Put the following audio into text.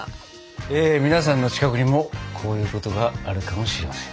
え皆さんの近くにもこういうことがあるかもしれません。